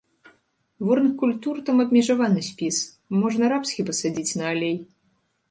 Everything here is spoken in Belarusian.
Ворных культур там абмежаваны спіс, можна рапс хіба садзіць на алей.